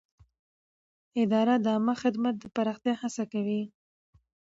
اداره د عامه خدمت د پراختیا هڅه کوي.